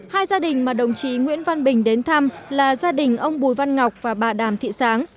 hai gia đình mà đồng chí nguyễn văn bình đến thăm là gia đình ông bùi văn ngọc và bà đàm thị sáng